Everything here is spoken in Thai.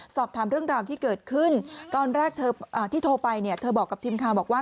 สอบถามเรื่องราวที่เกิดขึ้นตอนแรกเธอที่โทรไปเนี่ยเธอบอกกับทีมข่าวบอกว่า